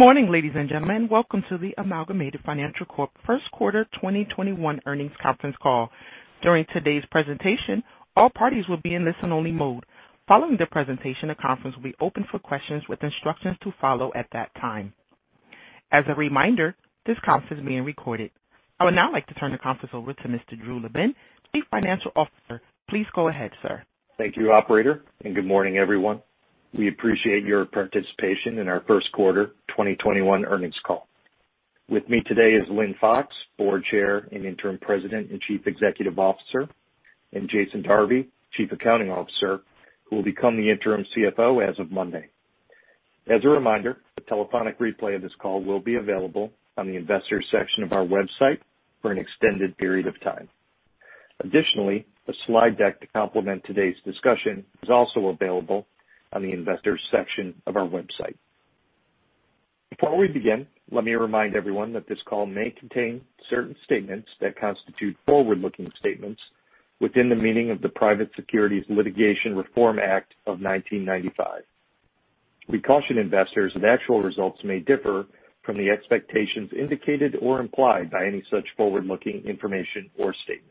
Good morning, ladies and gentlemen. Welcome to the Amalgamated Financial Corp First Quarter 2021 earnings conference call. During today's presentation, all parties will be in listen-only mode. Following the presentation, the conference will be open for questions with instructions to follow at that time. As a reminder, this conference is being recorded. I would now like to turn the conference over to Mr. Andrew LaBenne, Chief Financial Officer. Please go ahead, sir. Thank you, operator, good morning, everyone. We appreciate your participation in our first quarter 2021 earnings call. With me today is Lynne Fox, board chair and interim president and chief executive officer, and Jason Darby, chief accounting officer, who will become the interim CFO as of Monday. As a reminder, a telephonic replay of this call will be available on the Investors section of our website for an extended period of time. Additionally, a slide deck to complement today's discussion is also available on the Investors section of our website. Before we begin, let me remind everyone that this call may contain certain statements that constitute forward-looking statements within the meaning of the Private Securities Litigation Reform Act of 1995. We caution investors that actual results may differ from the expectations indicated or implied by any such forward-looking information or statements.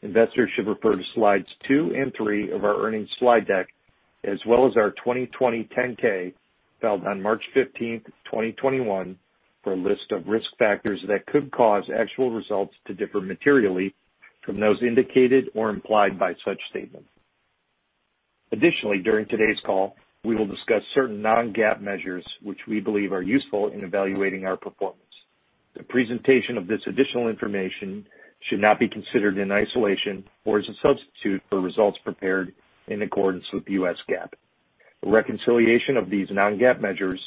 Investors should refer to slides two and three of our earnings slide deck, as well as our 2020 10-K filed on March 15th, 2021, for a list of risk factors that could cause actual results to differ materially from those indicated or implied by such statements. Additionally, during today's call, we will discuss certain non-GAAP measures which we believe are useful in evaluating our performance. The presentation of this additional information should not be considered in isolation or as a substitute for results prepared in accordance with U.S. GAAP. A reconciliation of these non-GAAP measures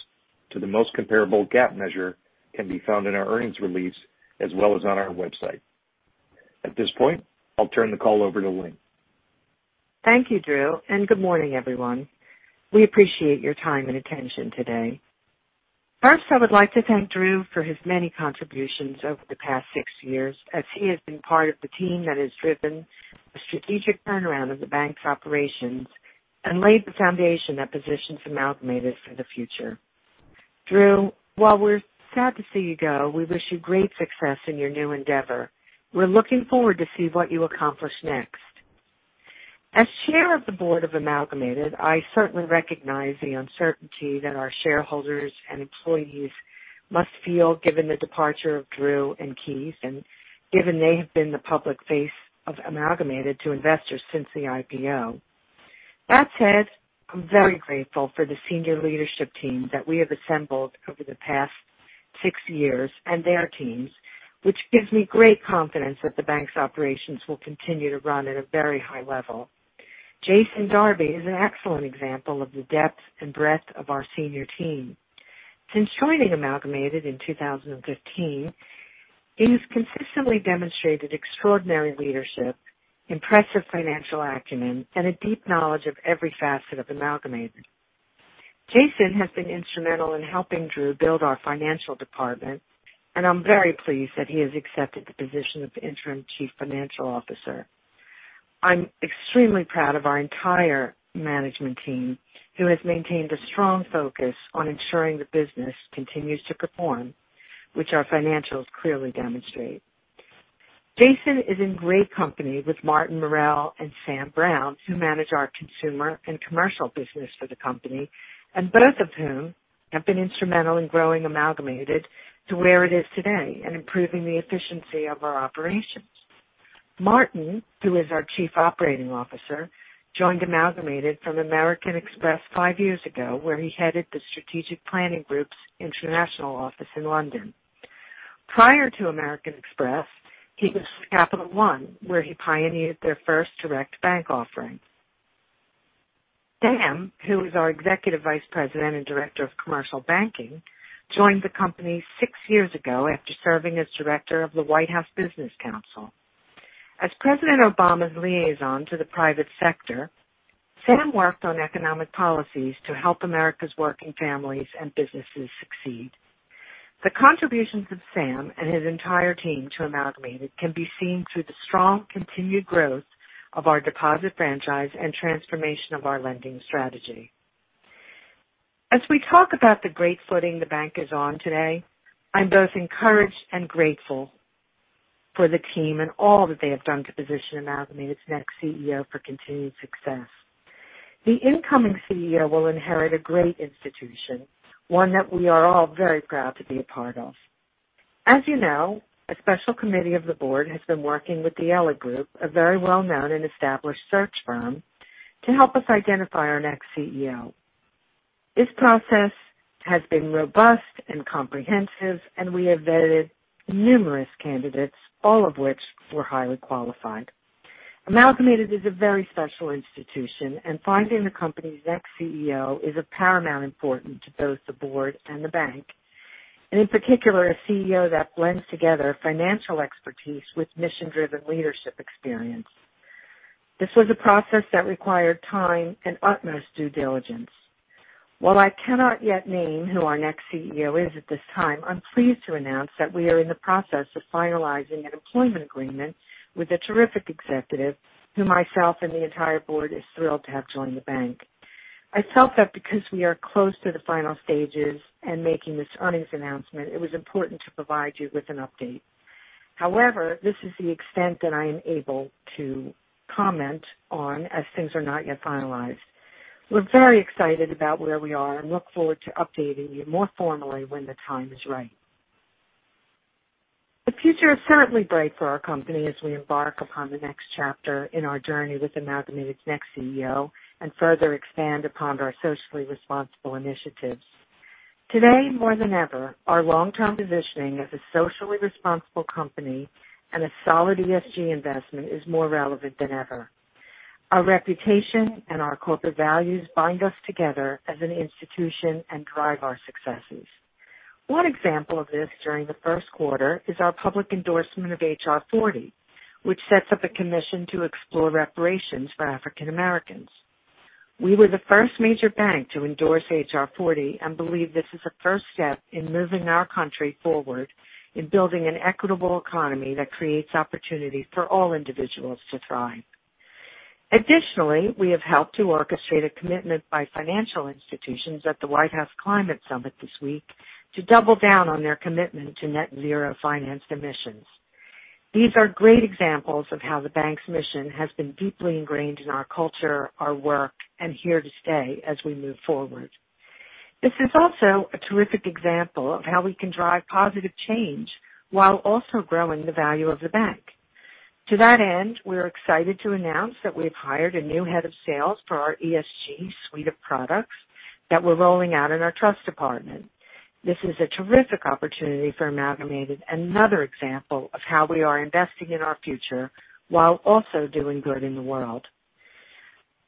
to the most comparable GAAP measure can be found in our earnings release as well as on our website. At this point, I'll turn the call over to Lynne. Thank you, Drew, and good morning, everyone. We appreciate your time and attention today. First, I would like to thank Drew for his many contributions over the past six years as he has been part of the team that has driven the strategic turnaround of the bank's operations and laid the foundation that positions Amalgamated for the future. Drew, while we're sad to see you go, we wish you great success in your new endeavor. We're looking forward to see what you accomplish next. As Chair of the Board of Amalgamated, I certainly recognize the uncertainty that our shareholders and employees must feel given the departure of Drew and Keith, and given they have been the public face of Amalgamated to investors since the IPO. That said, I'm very grateful for the senior leadership team that we have assembled over the past six years and their teams, which gives me great confidence that the bank's operations will continue to run at a very high level. Jason Darby is an excellent example of the depth and breadth of our senior team. Since joining Amalgamated in 2015, he has consistently demonstrated extraordinary leadership, impressive financial acumen, and a deep knowledge of every facet of Amalgamated. Jason has been instrumental in helping Drew build our financial department, and I'm very pleased that he has accepted the position of interim Chief Financial Officer. I'm extremely proud of our entire management team, who has maintained a strong focus on ensuring the business continues to perform, which our financials clearly demonstrate. Jason is in great company with Martin Murrell and Sam Brown, who manage our consumer and commercial business for the company, and both of whom have been instrumental in growing Amalgamated to where it is today and improving the efficiency of our operations. Martin, who is our Chief Operating Officer, joined Amalgamated from American Express five years ago, where he headed the strategic planning group's international office in London. Prior to American Express, he was with Capital One, where he pioneered their first direct bank offering. Sam, who is our Executive Vice President and Director of Commercial Banking, joined the company six years ago after serving as Director of the White House Business Council. As President Obama's Liaison to the private sector, Sam worked on economic policies to help America's working families and businesses succeed. The contributions of Sam and his entire team to Amalgamated can be seen through the strong continued growth of our deposit franchise and transformation of our lending strategy. As we talk about the great footing the bank is on today, I'm both encouraged and grateful for the team and all that they have done to position Amalgamated's next CEO for continued success. The incoming CEO will inherit a great institution, one that we are all very proud to be a part of. As you know, a special committee of the board has been working with the Ellig Group, a very well-known and established search firm, to help us identify our next CEO. This process has been robust and comprehensive, and we have vetted numerous candidates, all of which were highly qualified. Amalgamated is a very special institution, and finding the company's next CEO is of paramount importance to both the board and the bank, and in particular, a CEO that blends together financial expertise with mission-driven leadership experience. This was a process that required time and utmost due diligence. While I cannot yet name who our next CEO is at this time, I'm pleased to announce that we are in the process of finalizing an employment agreement with a terrific executive who myself and the entire board is thrilled to have join the bank. I felt that because we are close to the final stages and making this earnings announcement, it was important to provide you with an update. However, this is the extent that I am able to comment on as things are not yet finalized. We're very excited about where we are and look forward to updating you more formally when the time is right. The future is certainly bright for our company as we embark upon the next chapter in our journey with Amalgamated's next CEO and further expand upon our socially responsible initiatives. Today, more than ever, our long-term positioning as a socially responsible company and a solid ESG investment is more relevant than ever. Our reputation and our corporate values bind us together as an institution and drive our successes. One example of this during the first quarter is our public endorsement of H.R.40 which sets up a commission to explore reparations for African Americans. We were the first major bank to endorse H.R.40 and believe this is a first step in moving our country forward in building an equitable economy that creates opportunity for all individuals to thrive. Additionally, we have helped to orchestrate a commitment by financial institutions at the White House Climate Summit this week to double down on their commitment to net zero financed emissions. These are great examples of how the bank's mission has been deeply ingrained in our culture, our work, and here to stay as we move forward. This is also a terrific example of how we can drive positive change while also growing the value of the bank. To that end, we're excited to announce that we've hired a new head of sales for our ESG suite of products that we're rolling out in our trust department. This is a terrific opportunity for Amalgamated and another example of how we are investing in our future while also doing good in the world.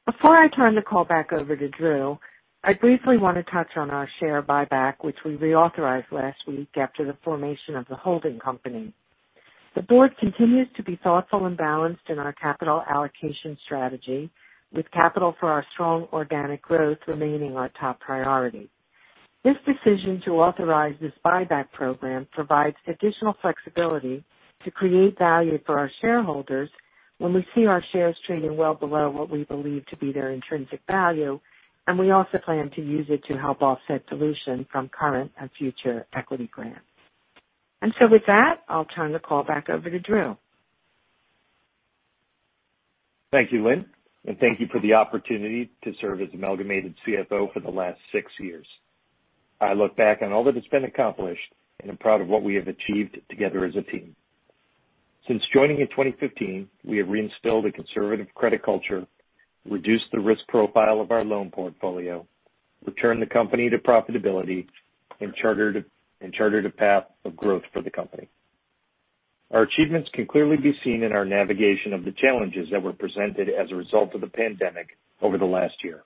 Before I turn the call back over to Drew, I briefly want to touch on our share buyback, which we reauthorized last week after the formation of the holding company. The Board continues to be thoughtful and balanced in our capital allocation strategy with capital for our strong organic growth remaining our top priority. This decision to authorize this buyback program provides additional flexibility to create value for our shareholders when we see our shares trading well below what we believe to be their intrinsic value, and we also plan to use it to help offset dilution from current and future equity grants. With that, I'll turn the call back over to Drew. Thank you, Lynne, and thank you for the opportunity to serve as Amalgamated CFO for the last six years. I look back on all that has been accomplished and am proud of what we have achieved together as a team. Since joining in 2015, we have reinstilled a conservative credit culture, reduced the risk profile of our loan portfolio, returned the company to profitability, and chartered a path of growth for the company. Our achievements can clearly be seen in our navigation of the challenges that were presented as a result of the pandemic over the last year.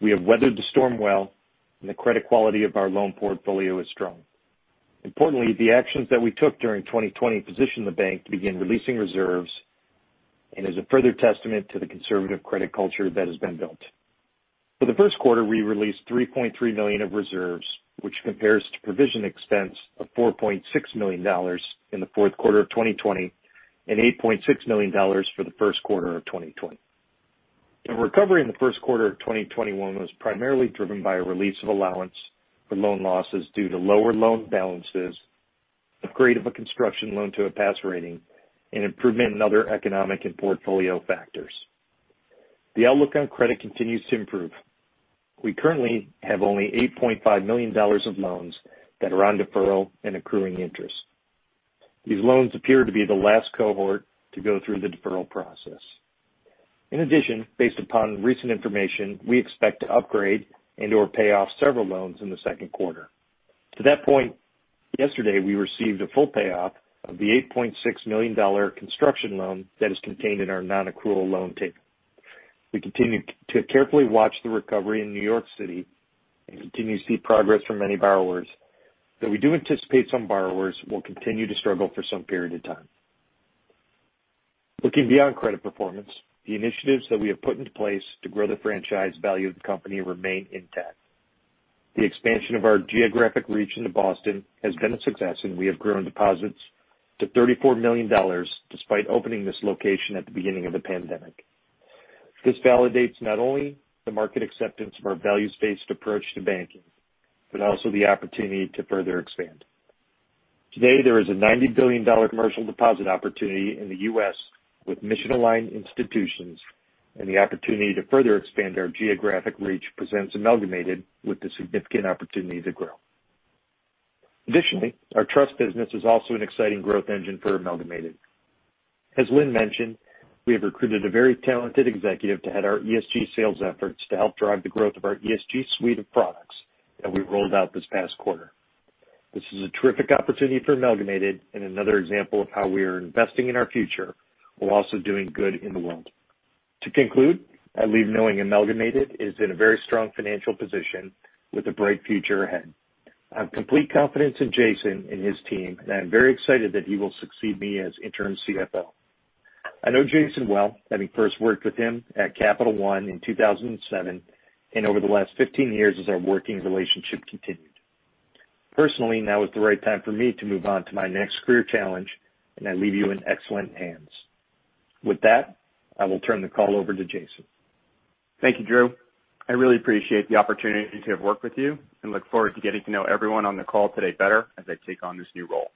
We have weathered the storm well, and the credit quality of our loan portfolio is strong. Importantly, the actions that we took during 2020 positioned the bank to begin releasing reserves and is a further testament to the conservative credit culture that has been built. For the first quarter, we released $3.3 million of reserves, which compares to provision expense of $4.6 million in the fourth quarter of 2020 and $8.6 million for the first quarter of 2020. The recovery in the first quarter of 2021 was primarily driven by a release of allowance for loan losses due to lower loan balances, upgrade of a construction loan to a pass rating, and improvement in other economic and portfolio factors. The outlook on credit continues to improve. We currently have only $8.5 million of loans that are on deferral and accruing interest. These loans appear to be the last cohort to go through the deferral process. In addition, based upon recent information, we expect to upgrade and/or pay off several loans in the second quarter. To that point, yesterday, we received a full payoff of the $8.6 million construction loan that is contained in our non-accrual loan tape. We continue to carefully watch the recovery in New York City and continue to see progress from many borrowers. We do anticipate some borrowers will continue to struggle for some period of time. Looking beyond credit performance, the initiatives that we have put into place to grow the franchise value of the company remain intact. The expansion of our geographic reach into Boston has been a success, and we have grown deposits to $34 million despite opening this location at the beginning of the pandemic. This validates not only the market acceptance of our values-based approach to banking but also the opportunity to further expand. Today, there is a $90 billion commercial deposit opportunity in the U.S. with mission-aligned institutions, and the opportunity to further expand our geographic reach presents Amalgamated with the significant opportunity to grow. Additionally, our trust business is also an exciting growth engine for Amalgamated. As Lynne mentioned, we have recruited a very talented executive to head our ESG sales efforts to help drive the growth of our ESG suite of products that we rolled out this past quarter. This is a terrific opportunity for Amalgamated and another example of how we are investing in our future while also doing good in the world. To conclude, I leave knowing Amalgamated is in a very strong financial position with a bright future ahead. I have complete confidence in Jason and his team, and I'm very excited that he will succeed me as interim CFO. I know Jason well, having first worked with him at Capital One in 2007, and over the last 15 years as our working relationship continued. Personally, now is the right time for me to move on to my next career challenge, and I leave you in excellent hands. With that, I will turn the call over to Jason. Thank you, Drew. I really appreciate the opportunity to have worked with you and look forward to getting to know everyone on the call today better as I take on this new role.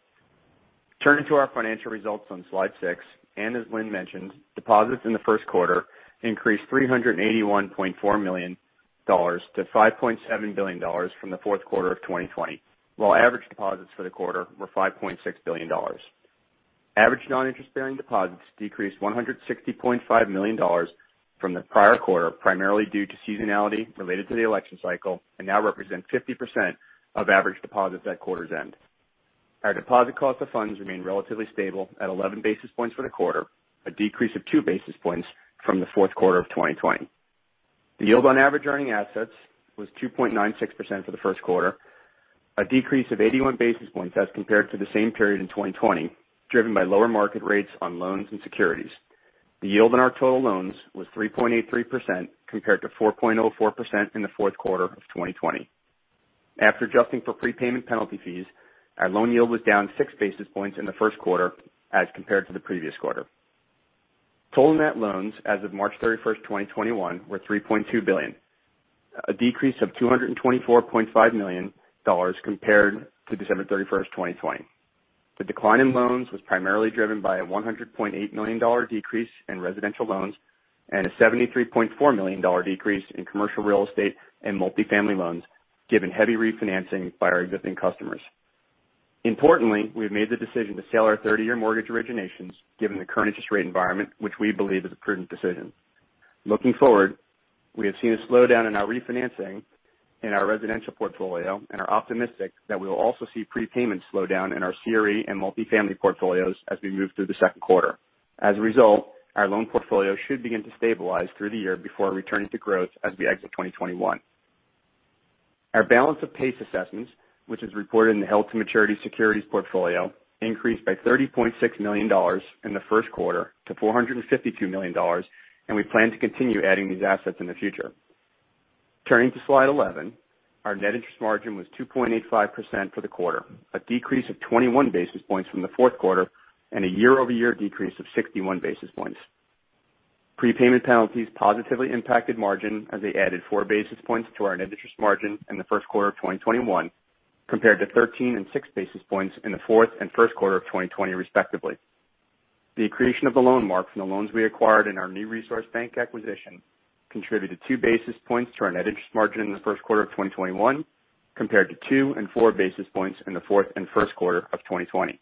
Turning to our financial results on slide six, as Lynne mentioned, deposits in the first quarter increased $381.4 million to $5.7 billion from the fourth quarter of 2020, while average deposits for the quarter were $5.6 billion. Average non-interest bearing deposits decreased $160.5 million from the prior quarter, primarily due to seasonality related to the election cycle, and now represent 50% of average deposits at quarter's end. Our deposit cost of funds remained relatively stable at 11 basis points for the quarter, a decrease of two basis points from the fourth quarter of 2020. The yield on average earning assets was 2.96% for the first quarter, a decrease of 81 basis points as compared to the same period in 2020, driven by lower market rates on loans and securities. The yield on our total loans was 3.83%, compared to 4.04% in the fourth quarter of 2020. After adjusting for prepayment penalty fees, our loan yield was down six basis points in the first quarter as compared to the previous quarter. Total net loans as of March 31st, 2021, were $3.2 billion, a decrease of $224.5 million compared to December 31st, 2020. The decline in loans was primarily driven by a $100.8 million decrease in residential loans and a $73.4 million decrease in commercial real estate and multifamily loans, given heavy refinancing by our existing customers. Importantly, we have made the decision to sell our 30-year mortgage originations, given the current interest rate environment, which we believe is a prudent decision. Looking forward, we have seen a slowdown in our refinancing in our residential portfolio and are optimistic that we will also see prepayment slow down in our CRE and multifamily portfolios as we move through the second quarter. As a result, our loan portfolio should begin to stabilize through the year before returning to growth as we exit 2021. Our balance of PACE assessments, which is reported in the held to maturity securities portfolio, increased by $30.6 million in the first quarter to $452 million, and we plan to continue adding these assets in the future. Turning to slide 11, our net interest margin was 2.85% for the quarter, a decrease of 21 basis points from the fourth quarter and a year-over-year decrease of 61 basis points. Prepayment penalties positively impacted margin as they added four basis points to our net interest margin in the first quarter of 2021 compared to 13 and six basis points in the fourth and first quarter of 2020, respectively. The accretion of the loan mark from the loans we acquired in our New Resource Bank acquisition contributed two basis points to our net interest margin in the first quarter of 2021 compared to two and four basis points in the fourth and first quarter of 2020.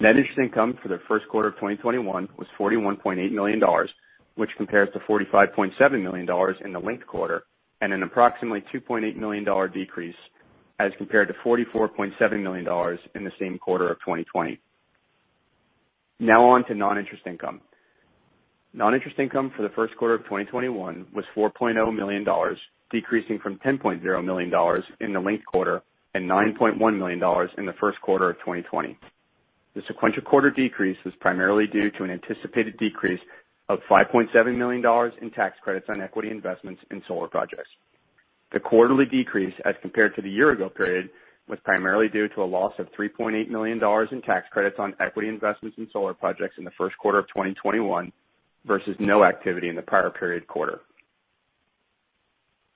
Net interest income for the first quarter of 2021 was $41.8 million, which compares to $45.7 million in the linked quarter and an approximately $2.8 million decrease as compared to $44.7 million in the same quarter of 2020. On to non-interest income. Non-interest income for the first quarter of 2021 was $4.0 million, decreasing from $10.0 million in the linked quarter and $9.1 million in the first quarter of 2020. The sequential quarter decrease was primarily due to an anticipated decrease of $5.7 million in tax credits on equity investments in solar projects. The quarterly decrease as compared to the year ago period, was primarily due to a loss of $3.8 million in tax credits on equity investments in solar projects in the first quarter of 2021 versus no activity in the prior period quarter.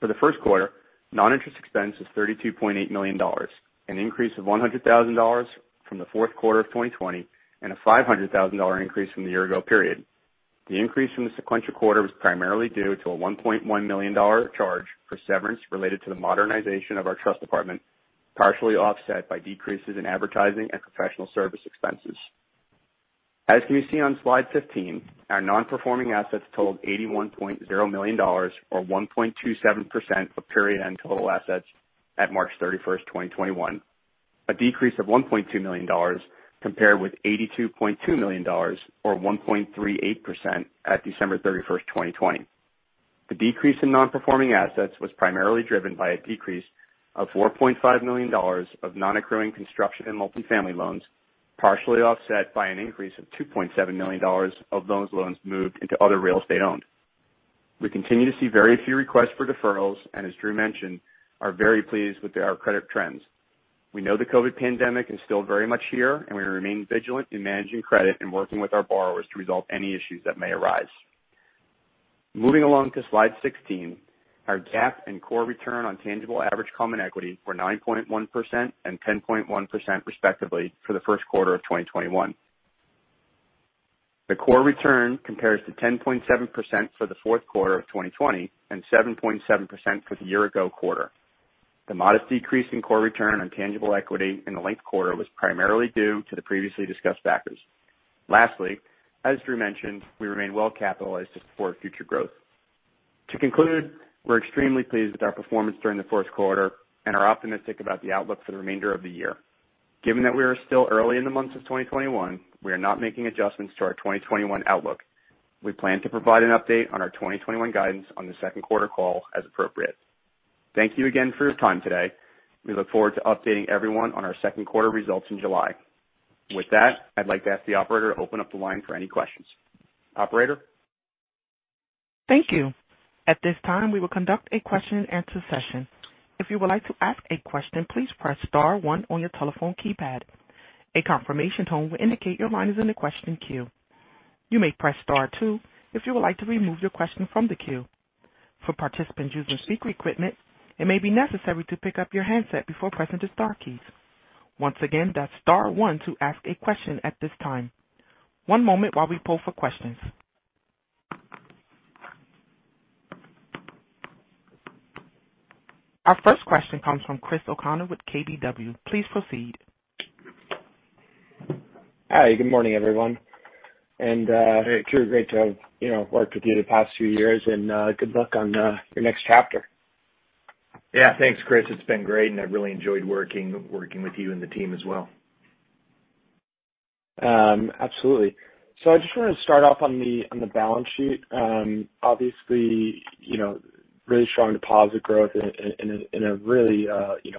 For the first quarter, non-interest expense was $32.8 million, an increase of $100,000 from the fourth quarter of 2020 and a $500,000 increase from the year ago period. The increase from the sequential quarter was primarily due to a $1.1 million charge for severance related to the modernization of our trust department, partially offset by decreases in advertising and professional service expenses. As you can see on slide 15, our non-performing assets totaled $81.0 million or 1.27% of period end total assets at March 31st, 2021. A decrease of $1.2 million compared with $82.2 million or 1.38% at December 31st, 2020. The decrease in non-performing assets was primarily driven by a decrease of $4.5 million of non-accruing construction and multifamily loans, partially offset by an increase of $2.7 million of those loans moved into other real estate owned. We continue to see very few requests for deferrals, and as Drew mentioned, are very pleased with our credit trends. We know the COVID pandemic is still very much here, and we remain vigilant in managing credit and working with our borrowers to resolve any issues that may arise. Moving along to slide 16, our GAAP and core return on tangible average common equity were 9.1% and 10.1%, respectively, for the first quarter of 2021. The core return compares to 10.7% for the fourth quarter of 2020 and 7.7% for the year ago quarter. The modest decrease in core return on tangible equity in the linked quarter was primarily due to the previously discussed factors. Lastly, as Drew mentioned, we remain well capitalized to support future growth. To conclude, we're extremely pleased with our performance during the first quarter and are optimistic about the outlook for the remainder of the year. Given that we are still early in the months of 2021, we are not making adjustments to our 2021 outlook. We plan to provide an update on our 2021 guidance on the second quarter call as appropriate. Thank you again for your time today. We look forward to updating everyone on our second quarter results in July. With that, I'd like to ask the operator to open up the line for any questions. Operator? Thank you. At this time, we will conduct a question and answer session. If you would like to ask a question please press star one on your telephone keypad, a confirmation tone will indicate your line is in the question queue, you may press star two if you would like to remove question from the queue. For participants using a speaker equipment, it may be necessary to pick up your handset before pressing the star key. Once again dial star one to ask a question at this time. One moment while we poll for questions. Our first question comes from Christopher O'Connell with KBW. Please proceed. Hi. Good morning, everyone. Andrew LaBenne, great to have worked with you the past few years, and good luck on your next chapter. Yeah, thanks, Chris. It's been great, and I've really enjoyed working with you and the team as well. Absolutely. I just want to start off on the balance sheet. Obviously, really strong deposit growth in a really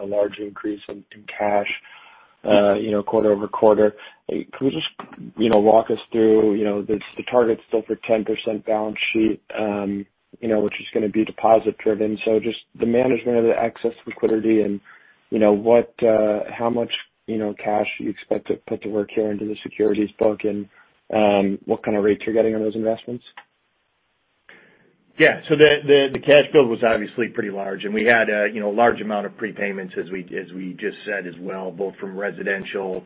large increase in cash quarter-over-quarter. Could you just walk us through the target still for 10% balance sheet which is going to be deposit driven? Just the management of the excess liquidity and how much cash you expect to put to work here into the securities book and what kind of rates you're getting on those investments. Yeah. The cash build was obviously pretty large, and we had a large amount of prepayments as we just said as well, both from residential.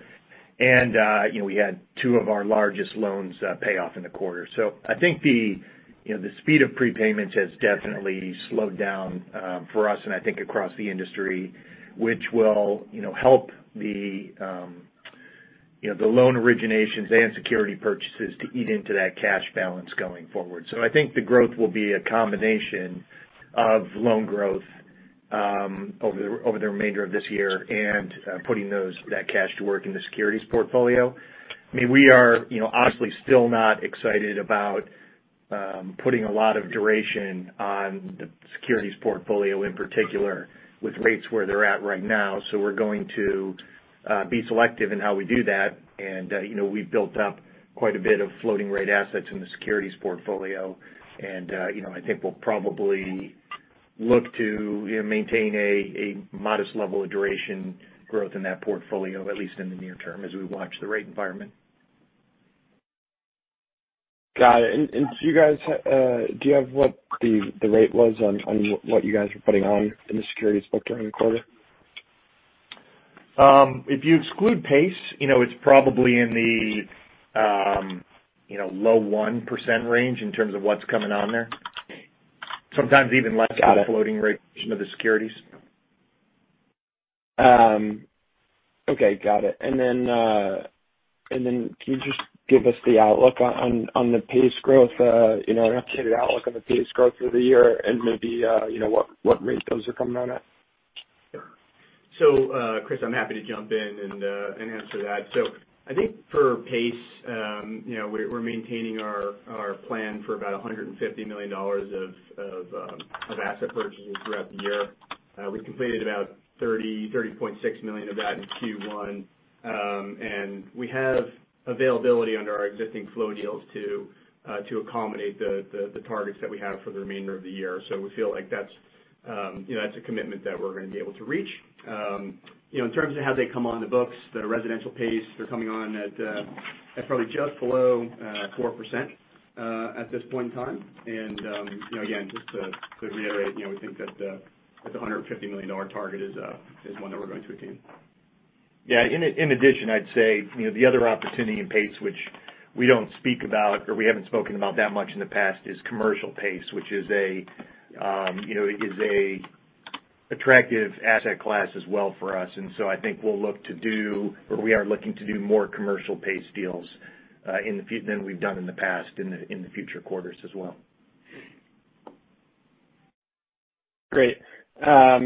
We had two of our largest loans pay off in the quarter. I think the speed of prepayments has definitely slowed down for us and I think across the industry, which will help the loan originations and security purchases to eat into that cash balance going forward. I think the growth will be a combination of loan growth over the remainder of this year and putting that cash to work in the securities portfolio. We are honestly still not excited about putting a lot of duration on the securities portfolio, in particular with rates where they're at right now. We're going to be selective in how we do that, and we've built up quite a bit of floating rate assets in the securities portfolio. I think we'll probably look to maintain a modest level of duration growth in that portfolio, at least in the near term, as we watch the rate environment. Got it. Do you have what the rate was on what you guys were putting on in the securities book during the quarter? If you exclude PACE, it's probably in the low 1% range in terms of what's coming on there. Sometimes even less. Got it. of a floating rate of the securities. Okay. Got it. Then can you just give us the outlook on the PACE growth, an updated outlook on the PACE growth for the year and maybe what rate those are coming on at? Sure. Chris, I'm happy to jump in and answer that. I think for PACE, we're maintaining our plan for about $150 million of asset purchases throughout the year. We completed about $30.6 million of that in Q1. We have availability under our existing flow deals to accommodate the targets that we have for the remainder of the year. We feel like that's a commitment that we're going to be able to reach. In terms of how they come on the books, the residential PACE, they're coming on at probably just below 4% at this point in time. Again, just to reiterate, we think that the $150 million target is one that we're going to attain. In addition, I'd say the other opportunity in PACE, which we don't speak about or we haven't spoken about that much in the past, is commercial PACE, which is a attractive asset class as well for us. I think we'll look to do, or we are looking to do more commercial PACE deals than we've done in the past in the future quarters as well. Great. As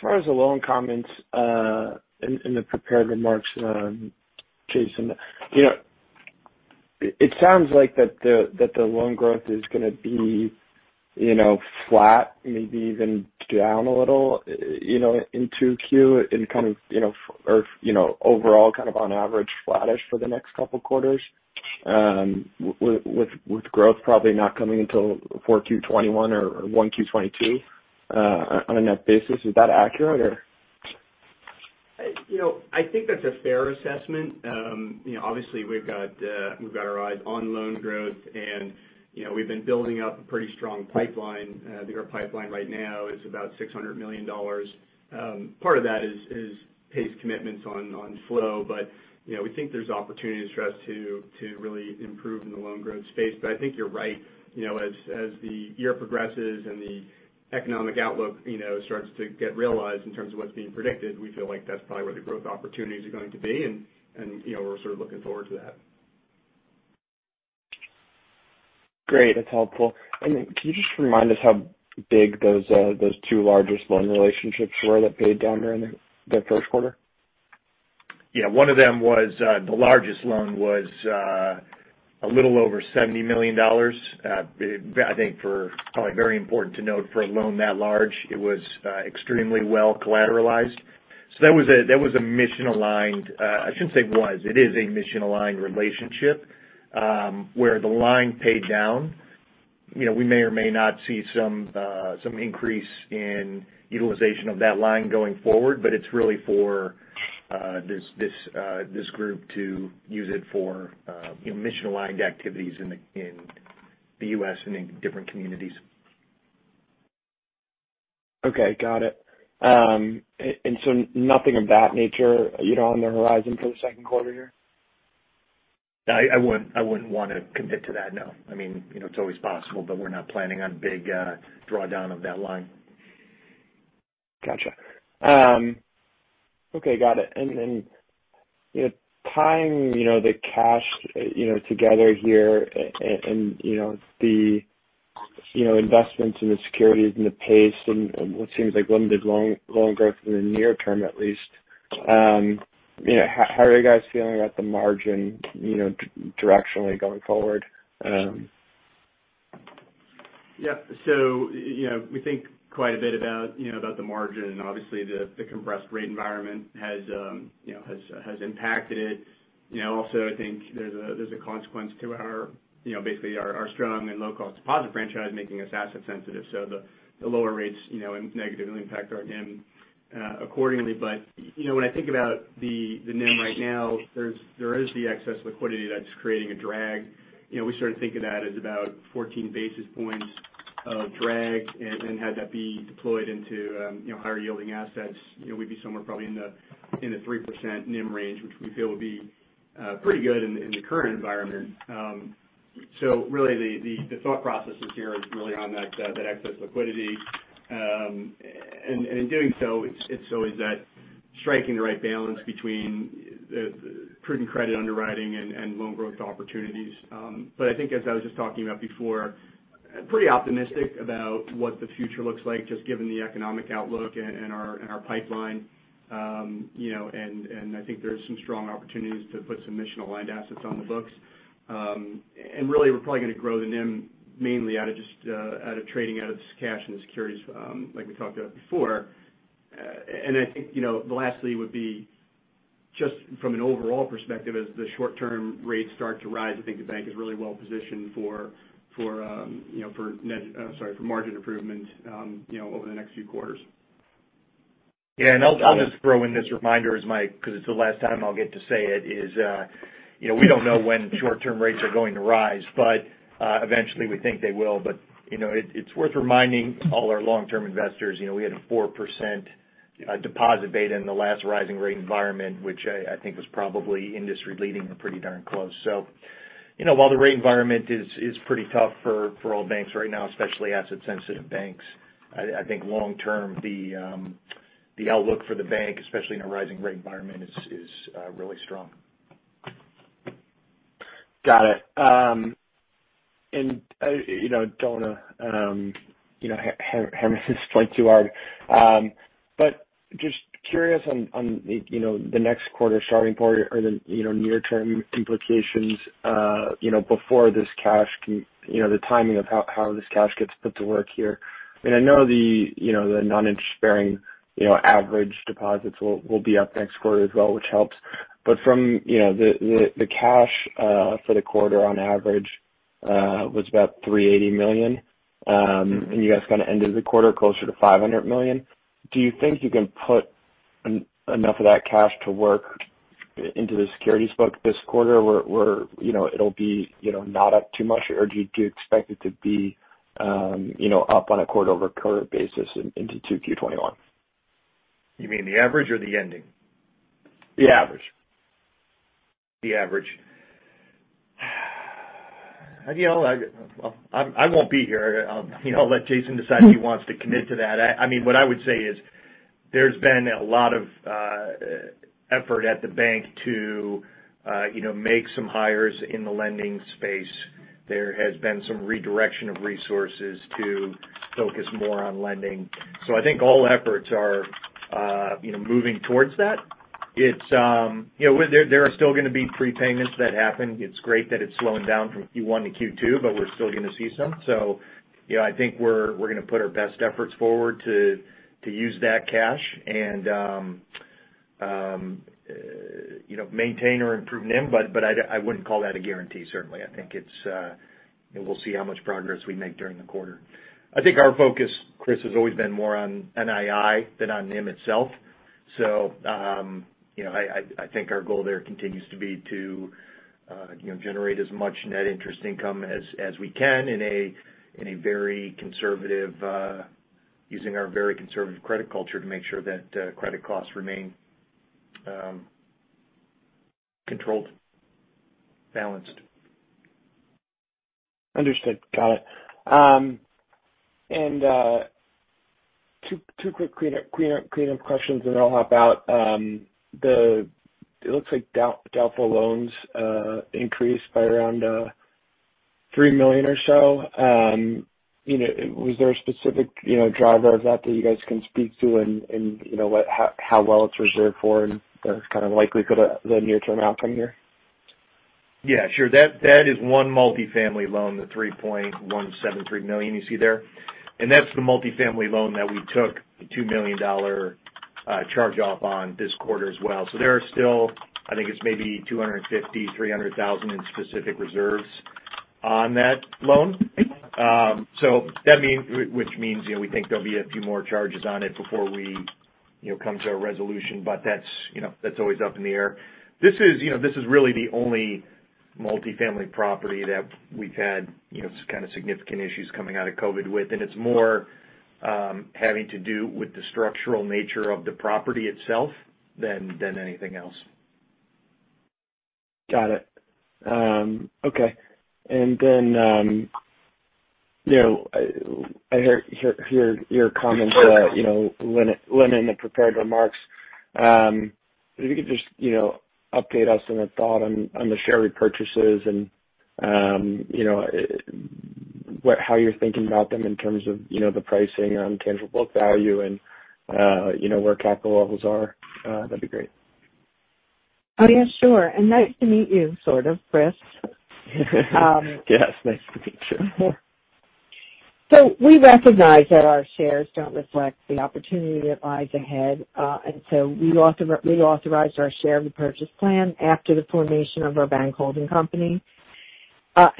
far as the loan comments in the prepared remarks, Jason, it sounds like that the loan growth is going to be flat, maybe even down a little in 2Q and kind of overall on average flattish for the next couple quarters, with growth probably not coming until 4Q 2021 or 1Q 2022 on a net basis. Is that accurate? I think that's a fair assessment. Obviously we've got our eyes on loan growth, and we've been building up a pretty strong pipeline. I think our pipeline right now is about $600 million. Part of that is PACE commitments on flow. We think there's opportunities for us to really improve in the loan growth space. I think you're right. As the year progresses and the economic outlook starts to get realized in terms of what's being predicted, we feel like that's probably where the growth opportunities are going to be, and we're sort of looking forward to that. Great. That's helpful. Can you just remind us how big those two largest loan relationships were that paid down during the first quarter? One of them was the largest loan was a little over $70 million. I think probably very important to note for a loan that large, it was extremely well collateralized. That was a mission-aligned. I shouldn't say was. It is a mission-aligned relationship where the line paid down. We may or may not see some increase in utilization of that line going forward, but it's really for this group to use it for mission-aligned activities in the U.S. and in different communities. Okay, got it. Nothing of that nature on the horizon for the second quarter here? I wouldn't want to commit to that, no. It's always possible, but we're not planning on big drawdown of that line. Got you. Okay, got it. Tying the cash together here and the investments in the securities and the PACE and what seems like limited loan growth in the near term at least, how are you guys feeling about the margin directionally going forward? Yeah. We think quite a bit about the margin. Obviously, the compressed rate environment has impacted it. Also, I think there's a consequence to basically our strong and low-cost deposit franchise making us asset sensitive. The lower rates negatively impact our NIM accordingly. When I think about the NIM right now, there is the excess liquidity that's creating a drag. We sort of think of that as about 14 basis points of drag, and had that be deployed into higher yielding assets, we'd be somewhere probably in the 3% NIM range, which we feel would be pretty good in the current environment. Really, the thought process here is really on that excess liquidity. In doing so, it's always that striking the right balance between prudent credit underwriting and loan growth opportunities. I think as I was just talking about before, pretty optimistic about what the future looks like, just given the economic outlook and our pipeline. I think there's some strong opportunities to put some mission-aligned assets on the books. Really, we're probably going to grow the NIM mainly out of trading, out of this cash and the securities like we talked about before. I think the lastly would be just from an overall perspective as the short-term rates start to rise, I think the bank is really well positioned for margin improvement over the next few quarters. Yeah. I'll just throw in this reminder because it's the last time I'll get to say it, is we don't know when short-term rates are going to rise, but eventually we think they will. It's worth reminding all our long-term investors, we had a 4% deposit beta in the last rising rate environment, which I think was probably industry leading or pretty darn close. While the rate environment is pretty tough for all banks right now, especially asset sensitive banks, I think long term, the outlook for the bank, especially in a rising rate environment, is really strong. Got it. I don't want to hammer this point too hard. Just curious on the next quarter starting point or the near-term implications before the timing of how this cash gets put to work here. I know the non-interest-bearing average deposits will be up next quarter as well, which helps. From the cash for the quarter on average was about $380 million. You guys kind of ended the quarter closer to $500 million. Do you think you can put enough of that cash to work into the securities book this quarter where it'll be not up too much? Or do you expect it to be up on a quarter-over-quarter basis into 2Q 2021? You mean the average or the ending? The average. The average. I won't be here. I'll let Jason decide if he wants to commit to that. What I would say is there's been a lot of effort at the bank to make some hires in the lending space. There has been some redirection of resources to focus more on lending. I think all efforts are moving towards that. There are still going to be prepayments that happen. It's great that it's slowing down from Q1 to Q2, but we're still going to see some. I think we're going to put our best efforts forward to use that cash and maintain or improve NIM, but I wouldn't call that a guarantee, certainly. I think we'll see how much progress we make during the quarter. I think our focus, Chris, has always been more on NII than on NIM itself. I think our goal there continues to be to generate as much net interest income as we can using our very conservative credit culture to make sure that credit costs remain controlled, balanced. Understood. Got it. Two quick cleanup questions, and I'll hop out. It looks like doubtful loans increased by around $3 million or so. Was there a specific driver of that you guys can speak to and how well it's reserved for and the kind of likelihood of the near-term outcome here? Yeah, sure. That is one multifamily loan, the $3.173 million you see there. That's the multifamily loan that we took the $2 million a charge-off on this quarter as well. There are still, I think it's maybe $250,000-$300,000 in specific reserves on that loan. Which means we think there'll be a few more charges on it before we come to a resolution. That's always up in the air. This is really the only multi-family property that we've had kind of significant issues coming out of COVID with, and it's more having to do with the structural nature of the property itself than anything else. Got it. Okay. I hear your comments, Lynne, in the prepared remarks. If you could just update us on a thought on the share repurchases and how you're thinking about them in terms of the pricing on tangible book value and where capital levels are. That'd be great. Oh, yeah. Sure. Nice to meet you, sort of, Chris. Yes. Nice to meet you. We recognize that our shares don't reflect the opportunity that lies ahead. We authorized our share repurchase plan after the formation of our bank holding company.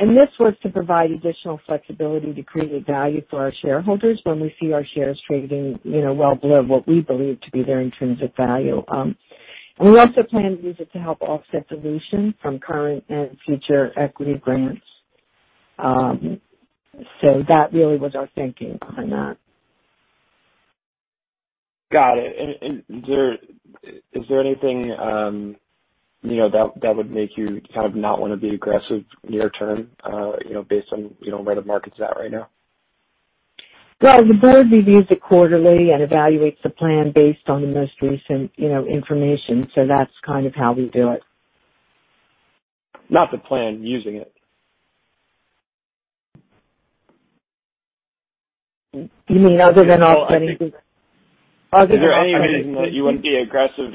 This was to provide additional flexibility to create value for our shareholders when we see our shares trading well below what we believe to be their intrinsic value. We also plan to use it to help offset dilution from current and future equity grants. That really was our thinking behind that. Got it. Is there anything that would make you kind of not want to be aggressive near term based on where the market's at right now? Well, the board reviews it quarterly and evaluates the plan based on the most recent information. That's kind of how we do it. Not the plan, using it. You mean other than our? Is there any reason that you wouldn't be aggressive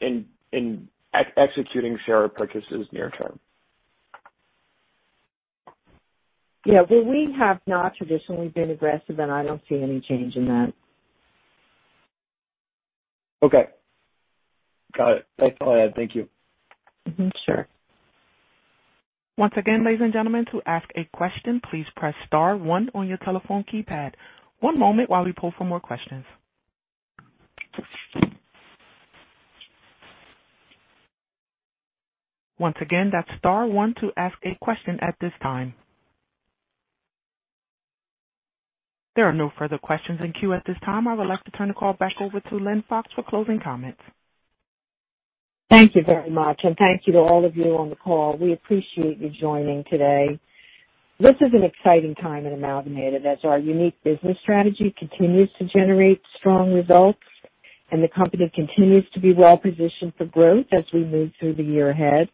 in executing share repurchases near term? Yeah. Well, we have not traditionally been aggressive, and I don't see any change in that. Okay. Got it. Thanks, Lynne. Thank you. Mm-hmm. Sure. Once again, ladies and gentlemen, to ask a question, please press star one on your telephone keypad. One moment while we pull for more questions. Once again, that's star one to ask a question at this time. There are no further questions in queue at this time. I would like to turn the call back over to Lynne Fox for closing comments. Thank you very much, and thank you to all of you on the call. We appreciate you joining today. This is an exciting time at Amalgamated as our unique business strategy continues to generate strong results, and the company continues to be well-positioned for growth as we move through the year ahead.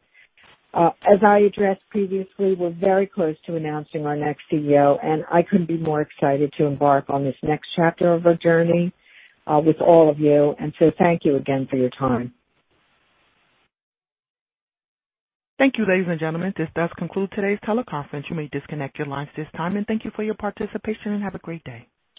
As I addressed previously, we're very close to announcing our next CEO, and I couldn't be more excited to embark on this next chapter of our journey with all of you. Thank you again for your time. Thank you, ladies and gentlemen. This does conclude today's teleconference. You may disconnect your lines at this time. Thank you for your participation, and have a great day.